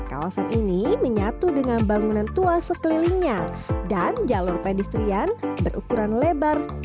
kawasan ini menyatu dengan bangunan tua sekelilingnya dan jalur pedestrian berukuran lebar